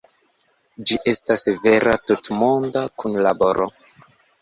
Ĝi estas vera tutmonda kunlaboro.